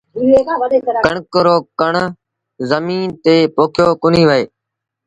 ڪڻڪ رو ڪڻ زميݩ تي پوکيو ڪونهي وهي